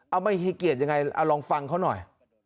เอาไม่ให้เกียรติยังไงเอาลองฟังเขาหน่อย